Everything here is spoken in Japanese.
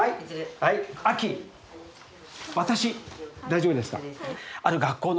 大丈夫ですか？